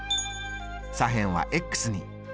左辺はに。